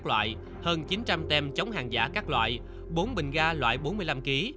hơn chín trăm linh tem chống hàng giả các loại bốn bình ga loại bốn mươi năm kg